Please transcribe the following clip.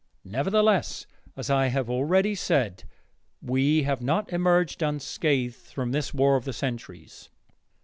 Nevertheless, as I have already said, we have not emerged unscathed from this war of the centuries.